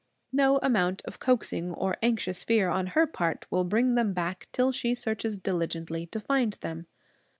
No amount of coaxing or of anxious fear on her part will bring them back, till she searches diligently to find them.